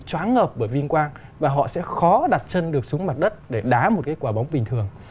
chóng ngợp bởi vinh quang và họ sẽ khó đặt chân được xuống mặt đất để đá một cái quả bóng bình thường